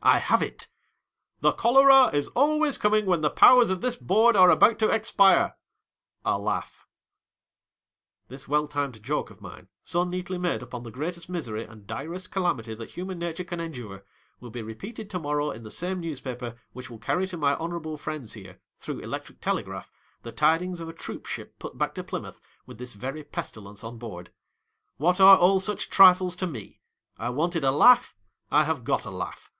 I have it !" The cholera is always coming when the powers of this Board are about to expire (A. LAUGH)," This well timed joke of mine, so neatly made upon the greatest misery and direst calamity that human nature can endure, will be repeated to morrow in the same newspaper which will carry to my honourable friends here, through electric telegraph, the tidings of a troop ship put back to Plymouth, with this very pestilence on board. What are all such trifles to me 1 I wanted a laugh ; I have got a laugh.